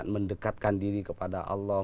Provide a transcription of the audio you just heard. mendekatkan diri kepada allah